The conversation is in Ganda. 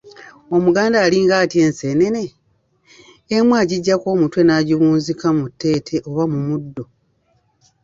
Omuganda alinga atya enseenene? emu agiggyako omutwe n’agiwunzika mu tteete oba mu muddo.